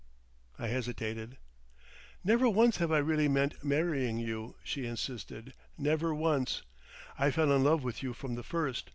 I hesitated. "Never once have I really meant marrying you," she insisted. "Never once. I fell in love with you from the first.